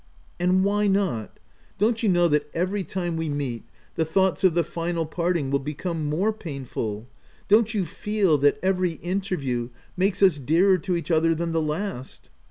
u And why not? Don't you know that every time we meet, the thoughts of the final parting will become more painful ? Don't you feel that every interview makes us dearer to each other than the last